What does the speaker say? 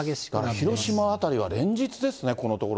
広島辺りは連日ですね、このところ。